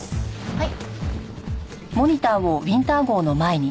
はい。